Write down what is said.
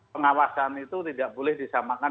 pengawasan itu tidak boleh disamakan